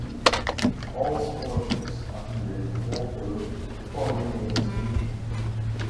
All scholarships activate the fall term following their distribution.